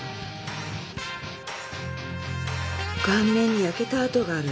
顔面に焼けた痕がある。